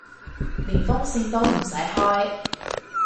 連風扇都唔使開